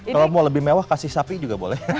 kalau mau lebih mewah kasih sapi juga boleh